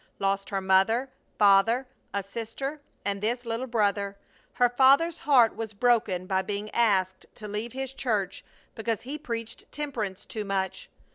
Lost her mother, father, a sister, and this little brother. Her father's heart was broken by being asked to leave his church because he preached temperance too much.